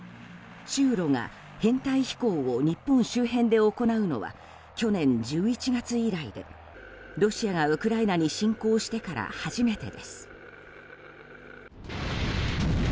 中露が編隊飛行を日本周辺で行うのは去年１１月以来でロシアがウクライナに侵攻してから初めてです。